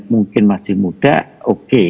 mungkin masih muda oke